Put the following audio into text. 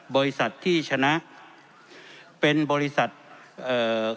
บริษัทที่ชนะเป็นบริษัทเอ่อ